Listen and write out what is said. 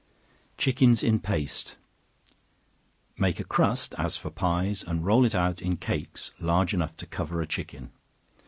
Chickens in Paste. Make a crust as for pies, and roll it out in cakes, large enough to cover a chicken.